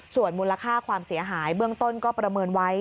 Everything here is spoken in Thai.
ส่วนมูลค่าความเสียหายเบื้องต้นก็ประเมินไว้